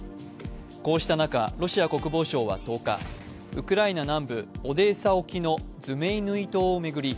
こうした中、ロシア国防省は１０日、ウクライナ南部オデーサ沖のズメイヌイ島を巡り